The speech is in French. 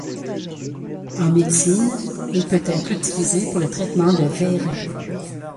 En médecine, il peut être utilisé pour le traitement de verrues.